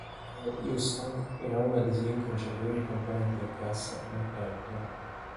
Lo "Houston" era uno dei sei incrociatori componenti la classe Northampton.